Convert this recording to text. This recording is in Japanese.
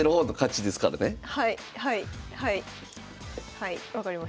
はい分かりました。